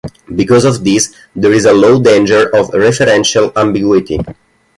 Because of this, there is a low danger of referential ambiguity.